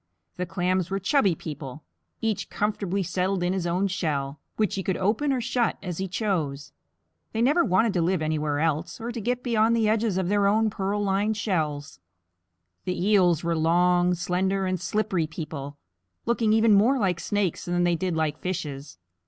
The Clams were chubby people, each comfortably settled in his own shell, which he could open or shut as he chose. They never wanted to live anywhere else, or to get beyond the edges of their own pearl lined shells. The Eels were long, slender, and slippery people, looking even more like snakes than they did like fishes.